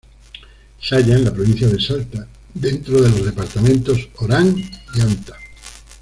Se halla en la provincia de Salta, dentro de los departamentos Orán y Anta.